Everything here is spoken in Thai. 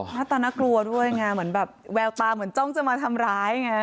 หน้าตาน่ากลัวด้วยไงเหมือนแบบแววตาเหมือนจ้องจะมาทำร้ายไง